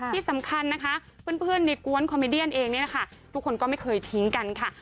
ที่สำคัญนะคะเพื่อนในกวนคอมมิเดียนเองเนี่ยนะคะทุกคนก็ไม่เคยทิ้งกันค่ะ